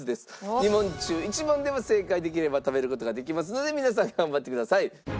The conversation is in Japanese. ２問中１問でも正解できれば食べる事ができますので皆さん頑張ってください。